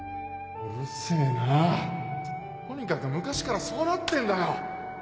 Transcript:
うるせぇなとにかく昔からそうなってんだよ！